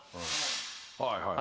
はいはい。